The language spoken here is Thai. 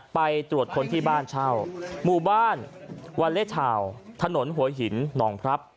ไปตรวจคนที่บ้านเช่าหมู่บ้านวาเลชาวถนนหัวหินหนองพลับ